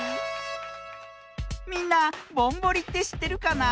みんなぼんぼりってしってるかな？